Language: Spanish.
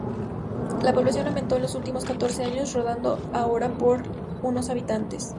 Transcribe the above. La población aumento en los últimos catorce años, rondando ahora por unos habitantes.